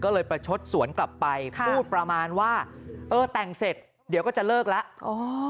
ก็เลยประชดสวนกลับไปพูดประมาณว่าเออแต่งเสร็จเดี๋ยวก็จะเลิกแล้ว